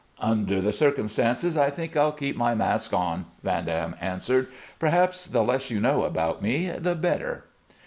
"Under the circumstances, I think I'll keep my mask on," Van Dam answered. "Perhaps the less you know about me, the better."